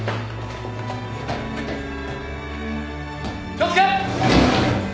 気を付け！